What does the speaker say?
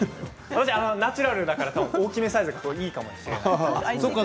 私、ナチュラルだからか大きめサイズいいかもしれない。